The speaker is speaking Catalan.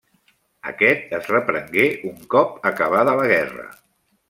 Aquest es reprengué un cop acabada la guerra.